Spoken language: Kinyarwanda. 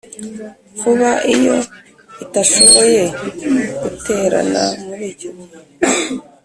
vuba iyo itashoboye guterana muri icyo gihe